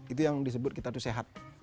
itu yang disebut kita itu sehat